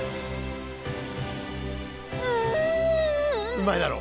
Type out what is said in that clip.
うまいだろ？